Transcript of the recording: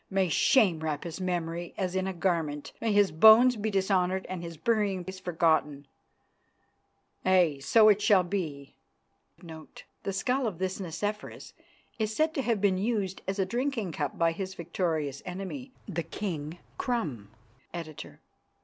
May shame wrap his memory as in a garment, may his bones be dishonoured and his burying place forgotten. Aye, and so it shall be."[*] [*] The skull of this Nicephorus is said to have been used as a drinking cup by his victorious enemy, the King Krum. Editor.